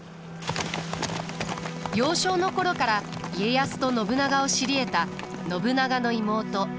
幼少の頃から家康と信長を知りえた信長の妹市。